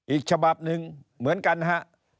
อีกฉบับหนึ่งเหมือนกันฮะ